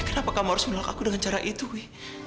kenapa kamu harus menolak aku dengan cara itu wih